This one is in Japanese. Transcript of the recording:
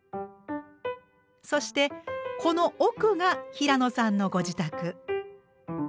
そしてこの奥が平野さんのご自宅。